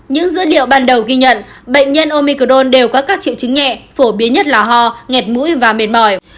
những dữ liệu bàn đầu ghi nhận bệnh nhân omicron đều có các triệu chứng nhẹ phổ biến nhất là ho nghẹt mũi và mệt mỏi